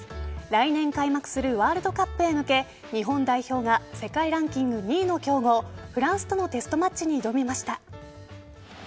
来年開幕するワールドカップへ向け日本代表が世界ランキング２位の強豪フランスとのテストマッチに挑みました。